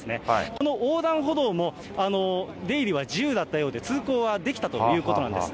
この横断歩道も出入りは自由だったようで、通行はできたということなんです。